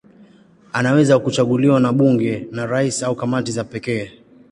Anaweza kuchaguliwa na bunge, na rais au kamati za pekee.